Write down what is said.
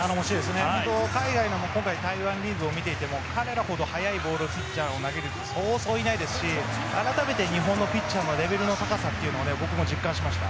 本当に今回台湾ラウンドを見ていても彼らほど速いボールを投げるピッチャーはそうそういないですし、改めて日本のピッチャーのレベルの高さを僕も実感しました。